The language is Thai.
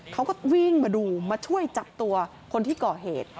เขาก็วิ่งมาดูมาช่วยจับตัวคนที่ก่อเหตุ